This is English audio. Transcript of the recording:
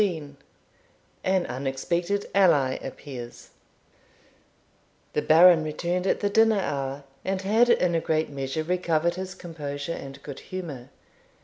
CHAPTER XVI AN UNEXPECTED ALLY APPEARS The Baron returned at the dinner hour, and had in a great measure recovered his composure and good humour.